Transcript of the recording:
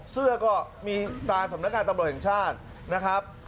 เสื้อก็มีตาสำนักงานตำรวจแห่งชาตินะครับ